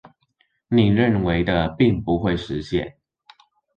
你認為的並不會實現